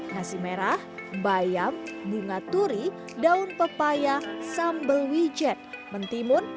nasi merah bayam bunga turi daun pepaya sambal wijen mentimun